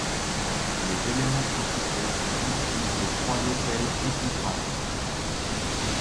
Les éléments principaux sont ici les trois autels épigraphes.